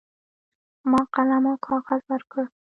ما قلم او کاغذ ورکړ.